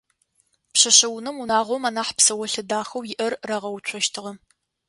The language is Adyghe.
Пшъэшъэунэм унагъом анахь псэолъэ дахэу иӏэр рагъэуцощтыгъэ.